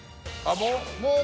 もう？